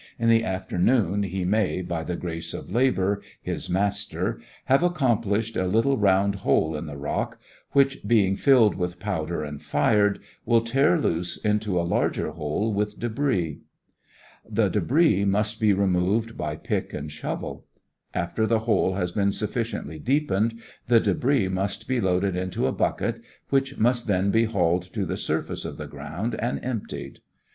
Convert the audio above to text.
In the afternoon he may, by the grace of labour, his Master, have accomplished a little round hole in the rock, which, being filled with powder and fired, will tear loose into a larger hole with débris. The débris must be removed by pick and shovel. After the hole has been sufficiently deepened, the débris must be loaded into a bucket, which must then be hauled to the surface of the ground and emptied.